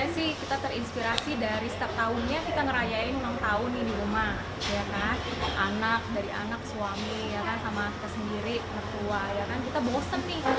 saya sih kita terinspirasi dari setahunnya kita ngerayain